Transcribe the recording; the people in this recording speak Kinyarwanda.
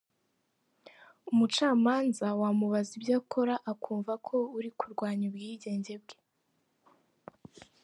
Umucamanza wamubaza ibyo akora akumva ko uri kurwanya ubwigenge bwe.